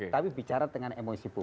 tapi bicara tentang emosi populis